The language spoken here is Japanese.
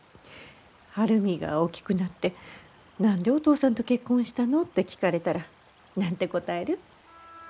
晴海が大きくなって「何でお父さんと結婚したの？」って聞かれたら何て答える？